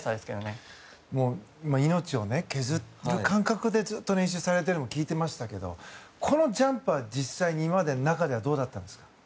命を削って、感覚でずっと練習されてたのも聞いてましたけどこのジャンプは実際に今までの中ではどうだったんですか？